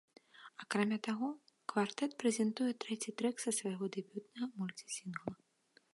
Акрамя таго, квартэт прэзентуе трэці трэк са свайго дэбютнага мульці-сінгла.